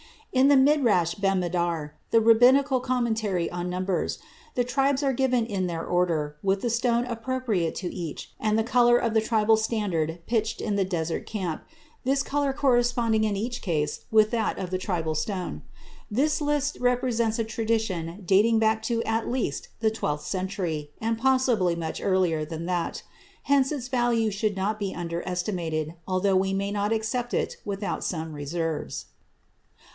In the Midrash Bemidbar, the Rabbinical commentary on Numbers, the tribes are given in their order, with the stone appropriate to each and the color of the tribal standard pitched in the desert camp, this color corresponding in each, case with that of the tribal stone. This list represents a tradition dating back to at least the twelfth century and possibly much earlier than that; hence its value should not be underestimated, although we may not accept it without some reserves.